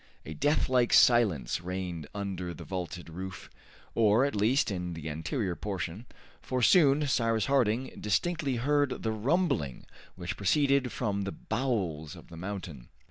A deathlike silence reigned under the vaulted roof, or at least in the anterior portion, for soon Cyrus Harding distinctly heard the rumbling which proceeded from the bowels of the mountain.